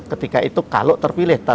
ketika itu kalau terpilih